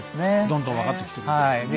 どんどん分かってきてるんですね。